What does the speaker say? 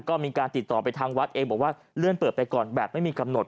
ก็มีการติดต่อไปทางวัดเองบอกว่าเลื่อนเปิดไปก่อนแบบไม่มีกำหนด